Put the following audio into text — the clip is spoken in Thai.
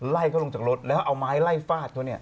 ไล่เขาลงจากรถแล้วเอาไม้ไล่ฟาดเขาเนี่ย